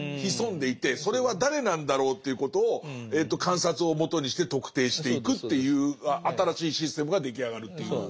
潜んでいてそれは誰なんだろうということを観察をもとにして特定していくっていう新しいシステムが出来上がるという。